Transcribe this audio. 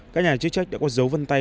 các nhà chức trách đã có dấu vân tay